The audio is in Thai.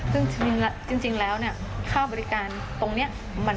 ซึ่งจริงแล้วค่าบริการตรงนี้